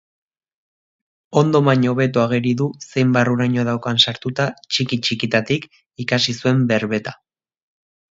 Ondo baino hobeto ageri du zein barruraino daukan sartuta txiki-txikitatik ikasi zuen berbeta.